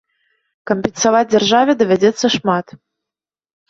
Кампенсаваць дзяржаве давядзецца шмат.